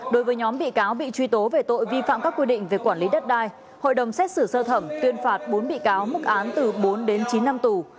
đối với nhóm bị cáo bị truy tố về tội vi phạm các quy định về quản lý đất đai hội đồng xét xử sơ thẩm tuyên phạt bốn bị cáo mức án từ bốn đến chín năm tù